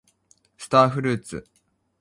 スターフルーツ